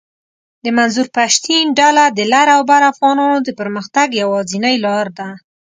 د منظور پشتین ډله د لر اوبر افغانانو د پرمختګ یواځنۍ لار ده